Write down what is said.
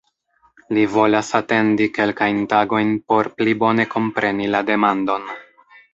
Li volas atendi kelkajn tagojn por "pli bone kompreni la demandon".